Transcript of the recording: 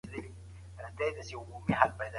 تفاسير په پښتو شته.